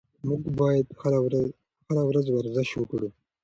موږ باید هره ورځ ورزش وکړو.